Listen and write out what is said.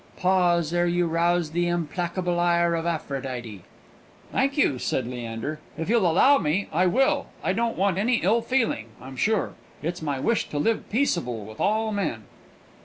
Pause, ere you rouse the implacable ire of Aphrodite!" "Thank you," said Leander; "if you'll allow me, I will. I don't want any ill feeling, I'm sure. It's my wish to live peaceable with all men."